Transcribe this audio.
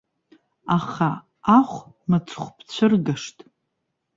Аха аху мыцхә бцәыргашт.